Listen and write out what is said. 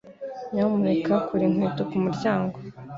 Nyamuneka kura inkweto ku muryango.